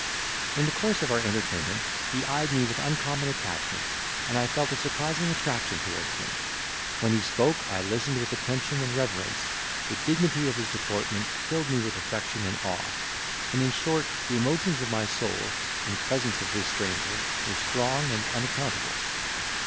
In the course of our entertainment, he eyed me with uncommon attachment, I felt a surprising attraction towards him; when he spoke, I listened with attention and reverence; the dignity of his deportment filled me with affection and awe; and, in short, the emotions of my soul, in presence of this stranger, were strong and unaccountable.